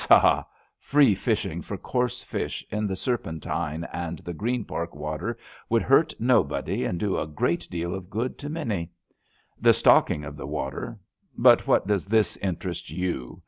Sahl free fishing for coarse fish in the Serpentine and the Green Park water would hurt nobody and do a great deal of good to many. The stocking of the water — ^but what does this interest you?